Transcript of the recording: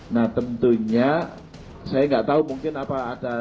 nah tentunya saya nggak tahu mungkin apa ada